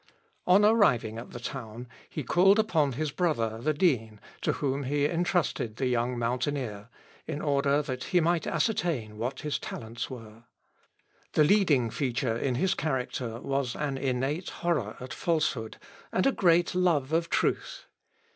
On arriving at the town, he called upon his brother the dean, to whom he intrusted the young mountaineer, in order that he might ascertain what his talents were. The leading feature in his character was an innate horror at falsehood and a great love of truth.